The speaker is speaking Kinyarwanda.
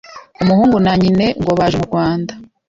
umuhungu na nyine ngo baje mu Rwanda